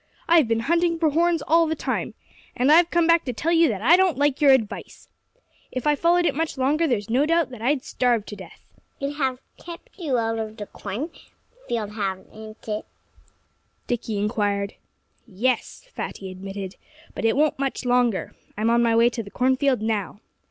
I've been hunting for horns all this time. And I've come back to tell you that I don't like your advice. If I followed it much longer there's no doubt that I'd starve to death." "It has kept you out of the cornfield, hasn't it?" Dickie inquired. "Yes!" Fatty admitted. "But it won't much longer. I'm on my way to the cornfield now."